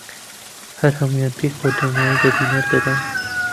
هەر هەموویان پێکەوە دڵنیایی بە بینەر دەدەن